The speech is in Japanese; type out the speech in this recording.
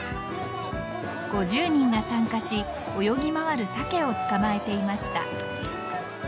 ５０人が参加し泳ぎ回るサケを捕まえていました。